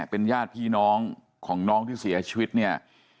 เป็นญาติพี่น้องของน้องที่เสียชีวิตเนี่ย